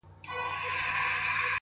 ستا څخه چي ياره روانـــــــــــېــږمه.!